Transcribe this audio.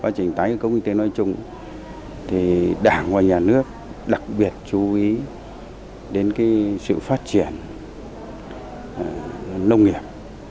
phát triển tái công kinh tế nói chung đảng và nhà nước đặc biệt chú ý đến sự phát triển nông nghiệp